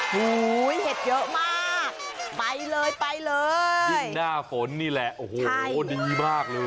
หูยเห็ดเยอะมากไปเลยไปเลยยิ่งหน้าฝนนี่แหละโอ้โหดีมากเลย